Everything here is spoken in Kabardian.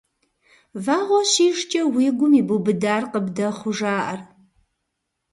Вагъуэ щижкӏэ уи гум ибубыдэр къыбдэхъуу жаӏэр.